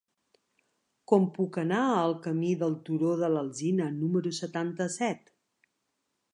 Com puc anar al camí del Turó de l'Alzina número setanta-set?